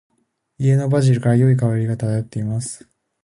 家のバジルから、良い香りが漂ってきます。